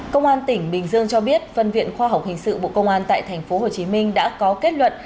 công an tỉnh bình dương cho biết phân viện khoa học hình sự bộ công an tại tp hcm đã có kết luận